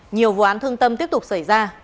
nhiều vụ án thương tâm tiếp tục xảy ra